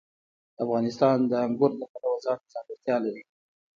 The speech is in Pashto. افغانستان د انګور د پلوه ځانته ځانګړتیا لري.